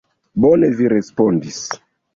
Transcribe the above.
Bone vi respondis.